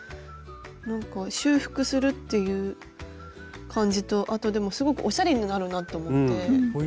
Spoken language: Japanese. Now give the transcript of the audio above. なんか修復するっていう感じとあとでもすごくおしゃれになるなと思って。